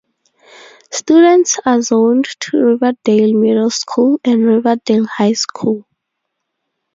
Students are zoned to Riverdale Middle School, and Riverdale High School.